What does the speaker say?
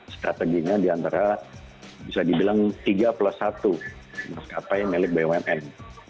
strateginya diantara bisa dibilang tiga plus satu maskapai milik bumn